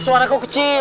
suara kau kecil